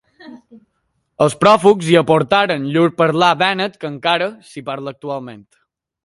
Els pròfugs hi aportaren llur parlar vènet que encara s'hi parla actualment.